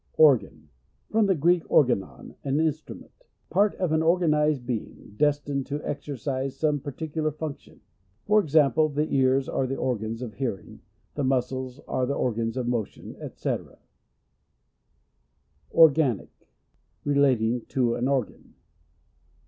Organ. — From the Greek, organon, an instrument. Part of an orga nised being, destined to exercise some particular function ; for ex ample, the ears are the organs of hearing, the muscles are the organs of motion, &.c. Organic — Relating to an organ.